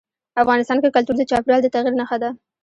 افغانستان کې کلتور د چاپېریال د تغیر نښه ده.